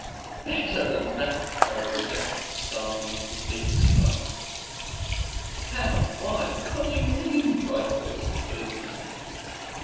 "Better than that!" cried Rosette, starting to his feet with excitement. "How? Why? What do you mean?" cried the voices of the listeners.